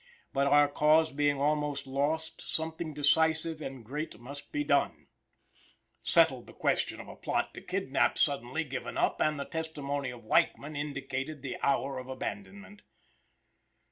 But our cause being almost lost something decisive and great must be done" settled the question of a plot to kidnap suddenly given up; and the testimony of Weichman indicated the hour of abandonment.